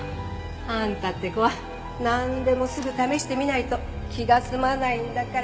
あんたって子はなんでもすぐ試してみないと気が済まないんだから。